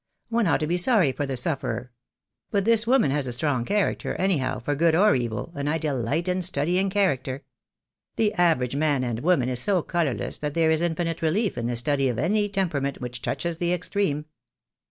One ought to be sorry for the sufferer. But this woman has a strong character, anyhow, for good or evil, and I delight in studying cha racter. The average man and woman is so colourless that there is infinite relief in the study of any tempera IOS THE DAY WILL COME. ment which touches the extreme.